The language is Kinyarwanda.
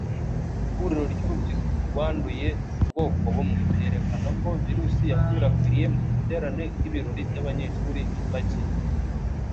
Ihuriro ry'urubyiruko rwanduye ubwoko bumwe, byerekana ko virusi yakwirakwiriye mu giterane, nk'ibirori by'abanyeshuri bipakiye